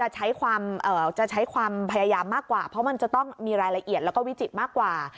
ใช้ความจะใช้ความพยายามมากกว่าเพราะมันจะต้องมีรายละเอียดแล้วก็วิจิตรมากกว่า